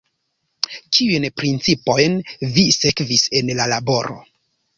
Kiujn principojn vi sekvis en la laboro?